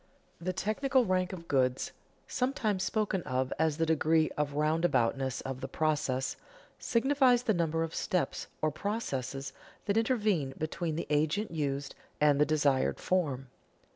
_ The technical rank of goods (sometimes spoken of as the degree of roundaboutness of the process) signifies the number of steps or processes that intervene between the agent used and the desired form.